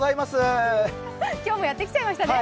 今日もやってきちゃいましたね。